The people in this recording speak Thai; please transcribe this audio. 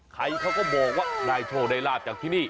ไทยเขาก็บอกว่าในโทรไดราบจากที่นี่